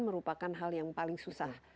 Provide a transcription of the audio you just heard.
merupakan hal yang paling susah